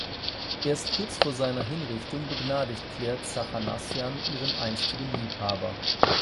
Erst kurz vor seiner Hinrichtung begnadigt Claire Zachanassian ihren einstigen Liebhaber.